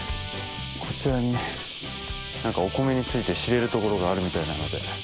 こちらにお米について知れる所があるみたいなので。